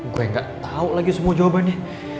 gue gak tau lagi semua jawabannya